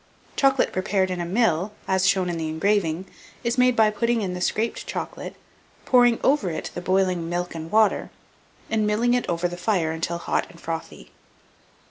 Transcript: Chocolate prepared with in a mill, as shown in the engraving, is made by putting in the scraped chocolate, pouring over it the boiling milk and water, and milling it over the fire until hot and frothy.